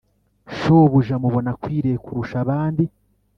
shobuja mubona akwiriye kurusha abandi